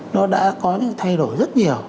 nó đã có những thay đổi rất nhiều